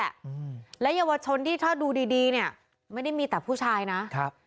อืมและเยาวชนที่ถ้าดูดีดีเนี้ยไม่ได้มีแต่ผู้ชายนะครับ